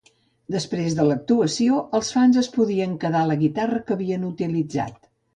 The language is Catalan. Després de l'actuació, els fans es podien quedar la guitarra que havien utilitzat.